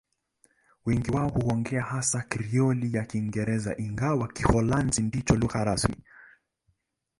Wengi wao huongea hasa Krioli ya Kiingereza, ingawa Kiholanzi ndicho lugha rasmi.